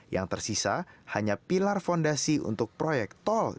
yang tersisa hanya pilar fondasi untuk proyek tol